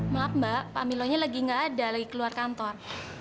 maaf mbak pak milonya lagi nggak ada lagi keluar kantor